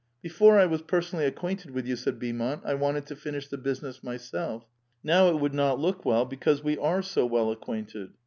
" Before I was personally acquainted with you," said Beaumont, "I wanted to finish the business myself. Now it would not look well, because we are so well acquainted.